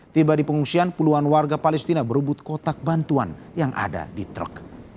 tiba di pengungsian puluhan warga palestina berebut kotak bantuan yang ada di truk